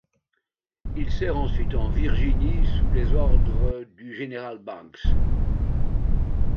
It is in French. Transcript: Il sert ensuite en Virginie, sous les ordre du général Banks.